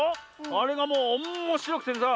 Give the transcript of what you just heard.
あれがもうおんもしろくてさ